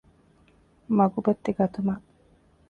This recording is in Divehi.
މަގުބައްތި ގަތުމަށް